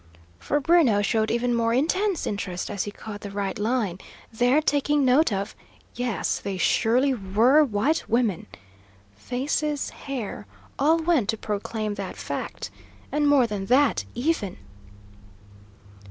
For Bruno showed even more intense interest as he caught the right line, there taking note of yes, they surely were white women! Faces, hair, all went to proclaim that fact. And more than that, even.